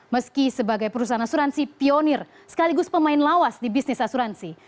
meski sebagai perusahaan asuransi pionir sekaligus pemain lawas di bisnis asuransi